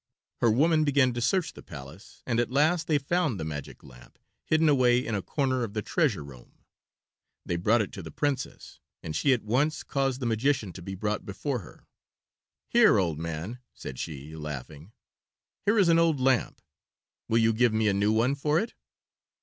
Her woman began to search the palace, and at last they found the magic lamp hidden away in a corner of the treasure room. They brought it to the Princess, and she at once caused the magician to be brought before her. "Here, old man," said she, laughing. "Here is an old lamp. Will you give me a new one for it?"